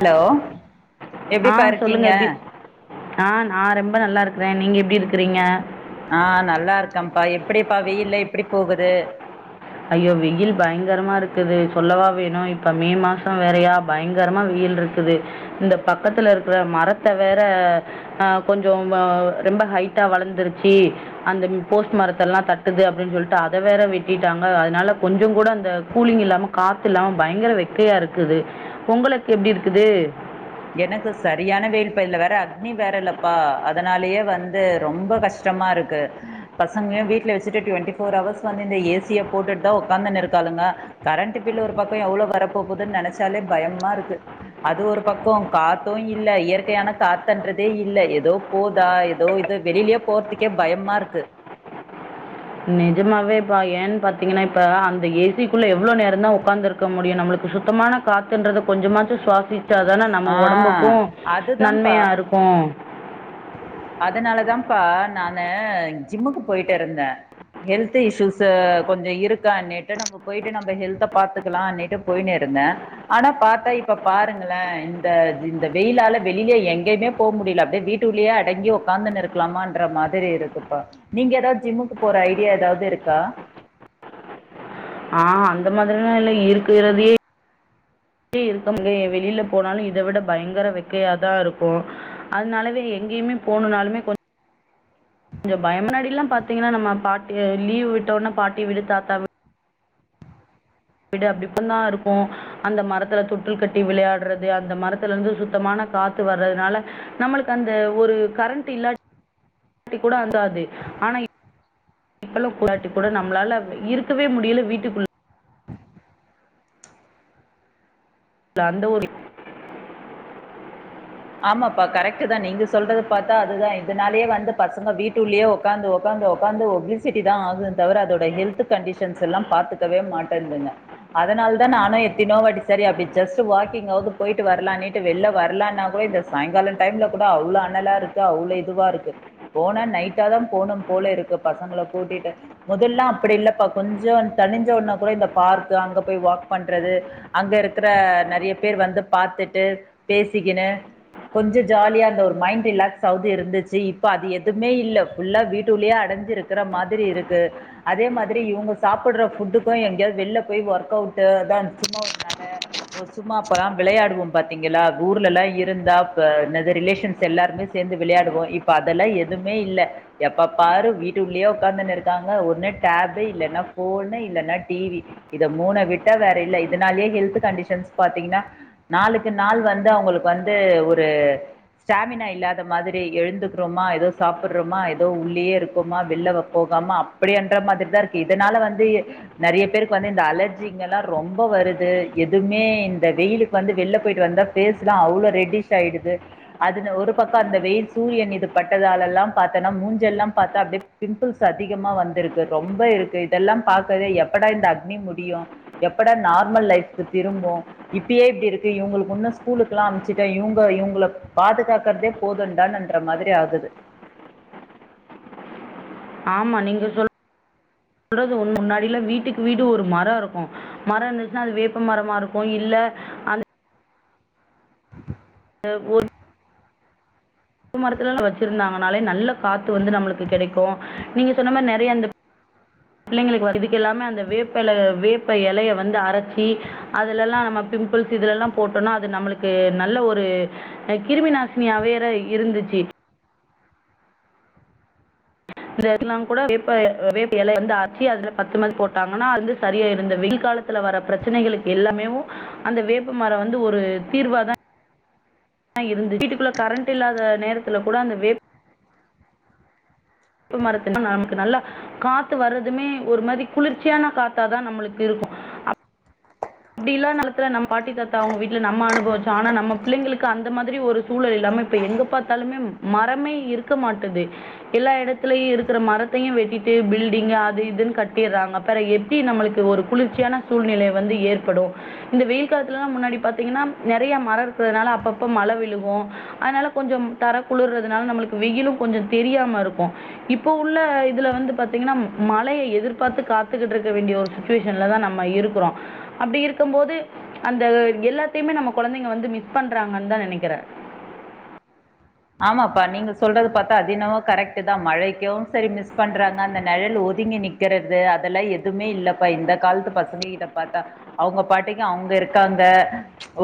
hello ஆ எப்டிப்பா இருக்கீங்க சொல்லுங்கள் எப்படி ஆ நா ரெம்ப நல்லாருக்கறே நீங்க எப்டி இருக்கிறீங்க ஆ நல்லாருக்கேம்ப்பா எப்டிப்பா வெயில்ல எப்டி போகுது ஐயோ வெயில் பயங்கரமா இருக்குது சொல்லவா வேணு இப்ப மே மாசோ வேறையாப் பயங்கரமா வெயில் ருக்குது இந்தப் பக்கத்துல இருக்ற மரத்த வேற ஆ கொஞ்சோம் அ ரெம்ப ஹைட்டா வளந்துருச்சி அந்தம் போஸ்ட் மரத்த எல்லா தட்டுது அப்டின் சொல்ட்டு அத வேற வெட்டிட் ட்டாங்க அதனால கொஞ்சங் கூட அந்த கூலிங் இல்லாம காத்து இல்லாம பயங்கர வெக்கையா இருக்குது ஒங்களக் எப்டி இருக்குது எனக்கு சரியான வெயில்ப்பா இதல வேற அக்னி வேற இல்லப்பா அதனாலேயே வந்து ரொம்ப கஷ் ஷ்டமா இருக்கு பசங்ளையு வீட்ல வெச்சுட்டு டுவெண்டி ஃபோர் ஹவர்ஸ் வந்து இந்த ஏ சியப் போட்டுட்தா உக்காந்துனு இருக்காளுங்கா கரண்ட்டு பில்லு ஒரு பக்கோ எவ்ளோ வரப்போகுதுன் நெனச்சாலே பயமா இருக்கு அது ஒரு பக் க்கு காத்து இல்ல இயற்கையானக் காத்தன்றதே இல்ல எதோப் போதா எதோ இது வெளிலியேப் போற்த்துக் கே பயமாருக்கு நெஜமாவேப்பா ஏன் பாத்தீங்கனா இப்ப அந்த ஏ சிக்குள்ள எவ்ளோ நேரந்தா ஒக்காந்துருக்க முடியு நம்மளுக்கு சுத்தமானக் காத்துன்றத கொஞ்சமாச்சு சுவாசிச்சாதானா நம்ம ஆ ஒடம்புக்கு அதுதான்ப்பா நன்மையா இருக்கு அதனாலதாம்ப்பா நானு ஜிம்முக்கு போயிட்டுருந்தே ஹெல்த்து இஷ்யூஸு கொஞ்சோ இருக்கானீட்டு நம்மப் போயிட்டு நம்ப ஹெல்த்த பாத்துக்கலானீட்டு போயினுருந்தே ஆனாப் பாத்தா இப்பப் பாருங்களே இந்த இது இந்த வெயிலால வெளிலியே எங்கயுமே போம்முடில அப்டியே வீட் டுலியே அடங்கி ஒக்காந்துனுருக்லாமான்ற மாதிரி இருக்குப்பா நீங்க எதாவ் ஜிம்முக்கு போற ஐடியா எதாவுது இருக்கா ஆ அந்த மாதிரிலா இல்ல இருக்கிறதையே கே இருக்கம்கே வெளிலப் போனாலு இத விட பயங்கர வெக்கையாதா இருக்கு அதனாலவே எங்கியுமே போனுனாலுமே கொஞ் ஞ்சோ பயம முன்னாடி எல்லாம் பாத்தீங்கனா நம்ம பாட்டி லீவ் விட்டோனாப் பாட்டி விடு தாத்தா வி விடு அப்டி இப்பந்தா இருக்கு அந்த மரத்துல தொட்டில் கட்டி விளையாடறது அந்த மரத்துல இருந்து சுத்தமானக் காத்து வறதுனால நம்மளுக்கு அந்த ஒரு கரண்ட்டு இல்லாட்டி கூட அந்தாது ஆனா இ இப்பலு [unintelligible] கூட நம்ளால இருக்கவே முடியல வீட்டுக்குள் ள அந்த ஒரு ஆமாப்பா கரெக்டுதா நீங்க சொல்றதப் பாத்தா அதுதா இதனாலேயே வந்துப் பசங்க வீட்டுள்ளேயே ஒக் க்காந்து ஒக்காந்து ஒக்காந்து ஒப்ளிசிட்டிதா ஆகுதுன் தவிர அதோட ஹெல்த்து கண்டிஷன்ஸ் எல்லாம் பாத்துக்கவே மாட்டேந்துங்க அதனால்தா நானு எத்தினோவாட்டி செரி அப்டி ஜஸ்ட்டு வாக்கிங்காவுது போயிட்டு வர்லானீட்டு வெள்ல வர்லான்னாக் கூட இந்த சாயங்காலோ டைம்ல கூட அவ்ளோ அனலாருக்கு அவ்ளோ இதுவாருக்கு போனா நைட்டாதாம் போனும் போல இருக்கு பசங்கள கூட்டிட்டு மொதல்லா அப்டி இல்லப்பா கொஞ்ச தனிஞ்ச உடன்னா கூட இந்த பார்க்கு அங்க போய் வாக் பண்றது அங்க இருக்கற நெறைய பேர் வந்து பாத்துட்டு பேசிக்கினூ கொஞ்ச ஜாலியா அந்த ஒரு மைண்ட் ரிலாக்ஸ் ஆவுது இருந்துச்சு இப்ப அது எதுவுமே இல்ல புல்லா வீட்டுள்ளயே அடைஞ்சிருக் கிற மாதிரி இருக்கு அதே மாதிரி இவுங்க சாப்புட்ற ஃபுட்டுக்கு எங்கியாவது வெள்ல போய் ஒர்க் அவுட்டு அதா சும்மா ஒரு நட சும்மா அப்பல்லா விளையாடுவோ பாத்தீங்களா ஊர்லல்லா இ ருந்துருதா ப என்னது ரிலேஷன்ஸ் எல்லாருமே சேந்து விளையாடுவோ இப்ப அதெல்லா எதுவுமே இல்ல எப்ப பாரு வீட்டு உள்ளயே உக்காந்துன்னு இருக்காங்க ஒன்னு டேப்பு இல்லன்னா போனூ இல்லன்னா டிவி இத மூண விட்ட வேற இல்ல இதனாலயே ஹெல்த் கண்டிஷன்ஸ் பாத்தீங்ன்னா நாளுக்கு நாள் வந்து அவங்களுக்கு வந்து ஒரு ஸ்டாமினா இல்லாத மாதிரி எழுந்துக்கறோமா ஏதோ சாப்புட்றோமா ஏதோ உள்ளயே இருக்கோமா வெள்ல வ போகாம அப்படின்ற மாதிரி தா இருக்கு இதனால வந்து நெறைய பேருக்கு வந்து இந்த அலர்ஜிங்கல்லா ரொம்ப வருது எதுவுமே இந்த வெயிலுக் வந்து வெள்ல போயிட்டு வந்தா பேஸ்லா அவ்ளோ ரெட்டிஷ ஆயிடுது அதுல ஒரு பக்கோ அந்த வெயில் சூரியன் இது பட்டதாலெல்லா பாத்தோனா மூஞ்செல்லா பாத்தா அப்டியே பிம்பிள்ஸ் அதிகமா வந்திருக்கு ரொம்ப இருக்கு இதெல்லா பாக்ர்தே எப்படா இந்த அக்னி முடியு எப்படா நார்மல் லைஃப்க்கு திரும்பு இப்பயே இப்டி இருக்கு இவுங்ளுக்கு உன்னு ஸ்கூலுக்குல்லா அம்ச்சிட்டா இவங்க இங்கள பாதுகாக்கறதே போதுன்டான்ற மாதிரி ஆகுது ஆமா நீங்க சொல் சொல்றது ஒன்னு முன்னாடில வீட்டுக்கு வீடு ஒரு மரோ இருக்கு மரோ இருந்துச்சுன்னா அது வேப்ப மரமா இருக்கு இல்ல அந்த ல ஓர் வேப்ப மரத்துல வெச்சிருந்தாங்கனாலே நல்ல காத்து வந்து நம்மளுக்கு கெடைக்கு நீங்க சொன்ன மாரி நெறைய அந்த பிள்ளைங்களுக்கு இதுக்கெல்லாமே அந்த வேப்பல வேப்ப எலய வந்து அரச்சி அதுலல்லா நம்ம பிம்பிள்ஸ் இதுலல்லா போட்டோனா அது நம்மளுக்கு நல்ல ஒரு கிருமி நாசினியா வேற இருந்துச்சி இந்த இதல்லா கூட வேப்ப வேப்ப எலய வந்து அரச்சி அதுல பத்துமாரி போட்டாங்கன்னா வந்து சரியாயிரு இருந்த வெயில் காலத் துல வர பிரச்சனைகளுக்கு எல்லாமேவு அந்த வேப்பமர வந்து ஒரு தீர்வாதா இருந்து வீட்டுக்குள்ள கரண்ட் இல்லாத நேரத்துல கூட அந்த வேப் ப்ப மரத்துல நமுக்கு நல்லா காத்து வர்றதுமே ஒரு மாரி குளிர்ச்சியான காத்தாதா நம்மளுக்கு இருக்கு அப் டில்லா நெலத்துல நம் பாட்டி தத்தா அவங்க வீட்டுல நம்ம அனுபவச்சோ ஆனா நம்ம பிள்ளைங்களுக்கு அந்த மாதிரி ஒரு சூழல் இல்லாம இப்ப எங்க பாத்தாலுமே மரமே இருக்க மாட்டுது எல்லா எடத்துலயு இருக்கிற மரத்தையு வெட்டிட்டு பில்டிங் அது இதுன்னு கட்டிறாங்க வேற எப்டி நம்மளுக்கு ஒரு குளிர்ச்சியான சூழ்நிலை வந்து ஏற் படு இந்த வெயில் காலத்துலல்லா முன்னாடி பாத்தீங்கன்னா நெறைய மர இருக்கிறதுனால அப்பப்ப மழ விழுகு அதனால கொஞ்ச தர குளிர்றதுனால நம்மளுக்கு வெயிலு கொஞ்ச தெரியாம இருக்கு இப்போ உள்ள இதுல வந்து பாத்தீங்கன்னா மழய எதிர்பாத்து காத்துக்கிட்டு இருக்க வேண்டிய ஒரு சு ச்வேஷன்ல தா நம்ம இருக்கறோ அப்டி இருக்கம் போது அந்த எல்லாத்தையுமே நம்ம கொழந்தைங்க வந்து மிஸ் பண்றாங்கன்னு தா நெனைக்கிறே ஆமாப்பா நீங்க சொல்றது பாத்தா அதென்னவோ கரெக்ட் தா மழைக்கு சரி மிஸ் பண்றாங்க அந்த நெழல் ஒதுங்கி நிக் நிக்கறது அதெல்லா எதுமே இல்லப்பா இந்த காலத்து பசங்க கிட்ட பாத்தா அவுங்க பாட்டுக்கு அவுங்க இருக்காங்க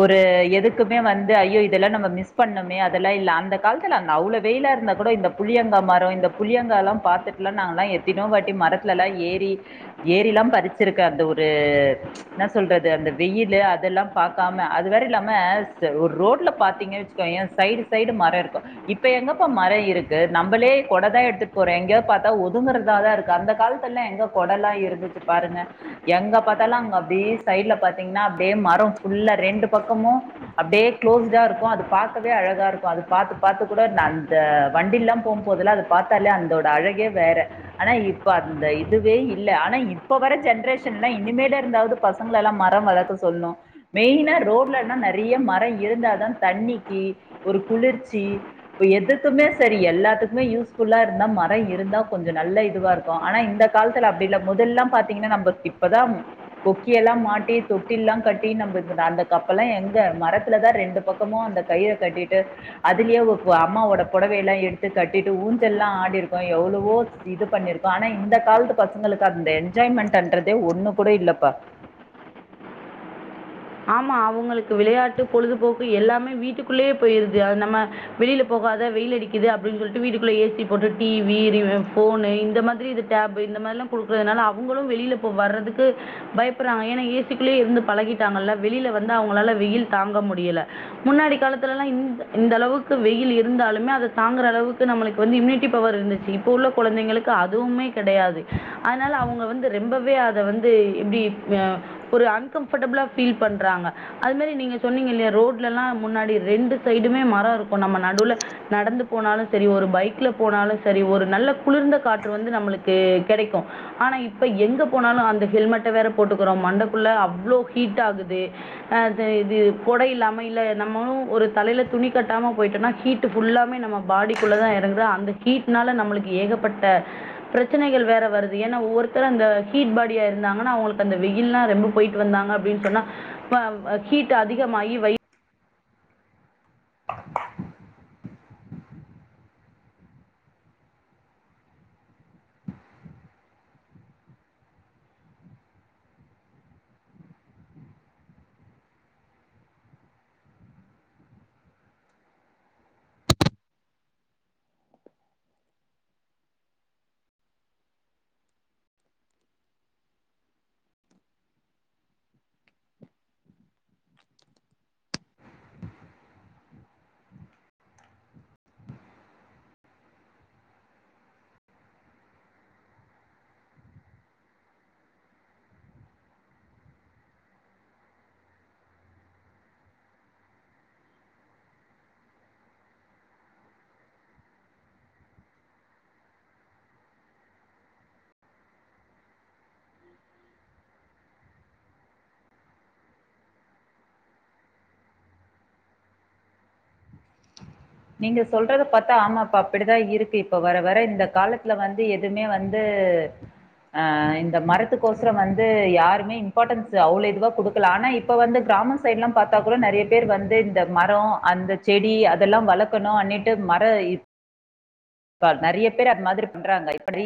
ஒரு எதுக்குமே வந்து ஐயோ இதெல்லா நம்ம மிஸ் பண்ணமே அதெல்லா இல்ல அந்த காலத்தில அந்த அவ்ளோ வெயிலா இருந்த கூட இந்த புளியங்கா மரம் இந்த புளியங்கால்லா பாத்தட்டுலா நாங்களா தினோ வாட்டி மரத்துலல்லா ஏறி ஏறிலா பறிச்சிருக்க அந்த ஒரு என்ன சொல்றது அந்த வெயிலு அதெல்லா பாக்காம அது வேற இல்லாம ச ஒரு ரோட்ல பாத்தீங்க ச்சு கோயே சைடு சைடு மரோ இருக் ப்ப இப்ப எங்கப்பா மர இருக்கு நம்மளே கொடதா எடுத்துட்டு போறோ எங்கயோ பாத்தா ஒதுங்கறதா தா இருக்கு அந்த காலத் துல எங்க கொடலா இருந்துச்சு பாருங்க எங்க பாத்தாலு அங்க அப்டி சைட்ல பாத்தீங்கன்னா அப்டியே மரோ ஃபுல்லா ரெண்டு பக்கமு அப்டியே க்ளோஸ்டா இருக்கு அது பாக்கவே அழகா இருக்கு அது பாத்து பாத்து கூட நா அந்த வண்டி ல்லா போ போதெல்லா அத பாத்தாலே அந்தோட அழகே வேற ஆனா இப்ப அந்த இதுவே இல்ல ஆனா இப்ப வர ஜென்ட்ரேஷன் எல்லா இனிமேல இருந்தாது பச பசங்களலா மர வளர்க்க சொல்லணு மெய்னா ரோட்லல்லா நெறைய மரோ இருந்தாதா தண்ணிக்கி குளிர்ச்சி இப்ப எதுக்கு மே செரி எல்லாத்துக்குமே யூஸ்ஃபுல்லா இருந்தா மர இருந்தா கொஞ்ச நல்ல இதுவா ருக் கு ஆனா இந்த காலத்துல அப்டி இல்ல மொதல்லல்லா பாத்தீங்கன்னா நம்ம இப்பதா கொக்கிய எல்லா மாட்டி தொட்டில் லா கட்டி நம்ம இது பண்றோ அந்த கப்பெல்லா எங்க மரத்துலதா ரெண்டு பக் கமு அந்த கயிற கட்டிட்டு அதுலயே ஊ உ அம்மாவோட பொடவைய எல்லா எடுத்து கட்டிட்டு ஊஞ்சல்லா ஆடிருக்கோ எவ்ளவோ இது பண்ணிருக்கோ ஆனா இந்த காலத்து பசங்களுக்கு அந்த என்ஜாய்மெண்ட் அன்றதே ஒண்ணு கூட இல்லப்பா ஆமா அவுங்களுக்கு விளையாட்டு பொழுதுபோக்கு எல்லாமே வீட்டுக்குள்ளேயே போயிருது அது நம்ம வெளில போகாத வெயில் அடிக்குது அப்டின்னு சொல்ட்டு வீட்டுக்குள்ள ஏ சி போட்டுட்டு டி வி ரீவி ஃபோனு இந்த மாதிரி இது டேப் இந்த மாரி ல்லா குடுக்குறதுனால அவுங்களு வெளில போ வர்றதுக்கு பயப்படுறாங்க ஏனா ஏ சி க்குள்ளயே இருந்து பழகிட்டாங்கல்ல வெளில வந்து அவுங்களால வெயில் தாங்க முடியல முன்னாடி காலத்துலல்லா இந் இந்த அளவுக்கு வெயில் இருந்தாலுமே அத தாங்குற அளவுக்கு நம்மளுக்கு வந்து இம்யூனிட்டி பவர் இருந்துச் சு இப்போ உள்ள கொழந்தைங்களுக்கு அதுவுமே கெடையாது அதனால அவுங்க வந்து ரொம்பவே அத வந்து எப்டி மியா ஒரு அன்கம்ஃபர்ட்டபிளா ஃபீல் பண்றாங்க அது மாரி நீங்க சொன்னீங்க இல்லையா ரோட்ல ல்லா முன்னாடி ரெண்டு சைடுமே மரோ இருக்கு நம்ம நடுல நடந்து போனாலு செரி ஒரு பைக்ல போனாலு செரி ஒரு நல்ல குளிர்ந்த காற்று வந்து நம்மளுக்கு கெடைக்கு ஆனா இப்ப எங்க போனாலு அந்த ஹெல்மெட்ட வேற போட்டுக்குறோ மண்டக்குள்ள அவ்ளோ ஹீட் ஆகுது அ இது கொட இல்லாம இல்ல நம்மளு ஒரு தலைல துணி கட்டாம போயிட்டோனா ஹீட் ட்டு ஃபுல்லாமே நம்ம பாடிக்குள்ளதா எறங்குது அந்த ஹீட்னால நம்மளுக்கு ஏகப்பட்ட பிரச்சனைகள் வேற வருது ஏனா ஒவ்வொருத்தரு அந்த ஹீட் பாடியா இருந்தாங்கன்னா அவுங்களுக்கு அந்த வெயில்லா ரொம்ப போயிட்டு வந்தாங்க அப் அப்டின்னு சொன்னா ப்ப அ ஹீட் அதிகமாகி வயி நீங்க சொல்றத பாத்தா ஆமாப்பா அப்டிதா இருக்கு இப்ப வர வர இந்த காலத்துல வந்து எது எதுமே வந்து அ இந்த மரத்துக்கோசரோ வந்து யாருமே இம்பார்ட்டன்ஸ் அவ்ளோ இதுவா குடுக்கல ஆனா இப்ப வந்து கிராம ஸ் சைடெல்லா பாத்தா கூட நெறைய பேர் வந்து இந்த மரோ அந்த செடி அதெல்லா வளக் கணு அனிட்டு மர இது பா நெறைய பேர் அது மாதிரி பண்றாங்க இப்டி